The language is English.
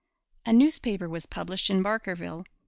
A newspaper was published in Barkerville.